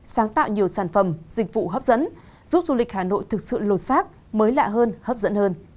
sáng tạo nhiều sản phẩm dịch vụ hấp dẫn giúp du lịch hà nội thực sự lột xác mới lạ hơn hấp dẫn hơn